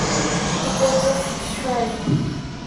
He died in Dorking, Surrey.